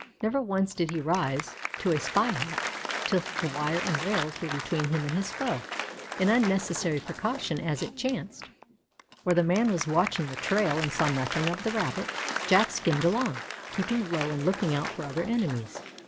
Never once did he rise to a "spy hop" till the wire and rails were between him and his foe, an unnecessary precaution as it chanced, for the man was watching the trail and saw nothing of the Rabbit. Jack skimmed along, keeping low and looking out for other enemies.